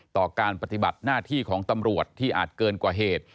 ต่อการปฏิบัติหน้าที่ของตำรวจที่อาจเกินกว่าเหตุ